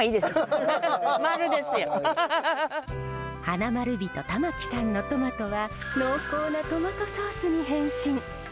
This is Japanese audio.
花まる人玉置さんのトマトは濃厚なトマトソースに変身。